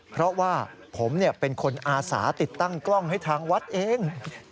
เพราะว่าผมเป็นคนอาสาติดตั้งกล้องให้ทางวัดเอง